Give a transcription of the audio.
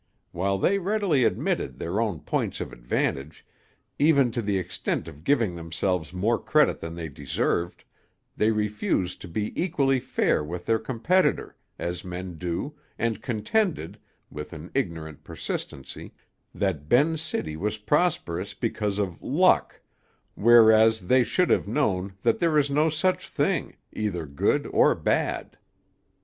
While they readily admitted their own points of advantage, even to the extent of giving themselves more credit than they deserved, they refused to be equally fair with their competitor, as men do, and contended, with an ignorant persistency, that Ben's City was prosperous because of "luck," whereas they should have known that there is no such thing, either good or bad.